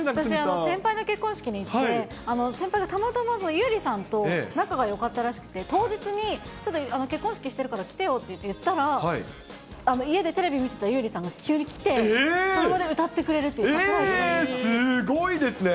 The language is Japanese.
先輩の結婚式に行って、先輩がたまたまゆうりさんと仲がよかったらしくて、当日に、ちょっと結婚式してるから、来てよって言われたら、家でテレビ見てたゆうりさんが急に来て、その場で歌ってくれるっすごいですね。